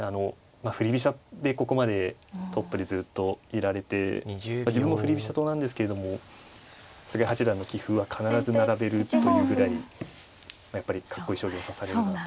振り飛車でここまでトップでずっといられて自分も振り飛車党なんですけども菅井八段の棋譜は必ず並べるというぐらいやっぱりかっこいい将棋を指されるなと。